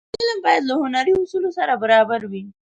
فلم باید له هنري اصولو سره برابر وي